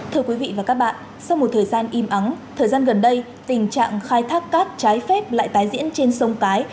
thưa quý vị và các bạn sau một thời gian im ắng thời gian gần đây tình trạng khai thác cát trái phép lại tái diễn trên sông cái